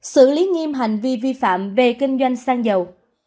xử lý nghiêm hành vi vi phạm về kinh doanh xăng dầu